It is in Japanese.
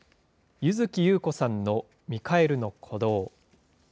柚月裕子さんのミカエルの鼓動。